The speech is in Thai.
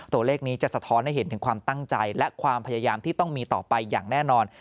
ตัวเลขนี้จะสะท้อนให้เห็นถึงความตั้งใจและความพยายามที่ต้องมีต่อไปอย่างแน่นอน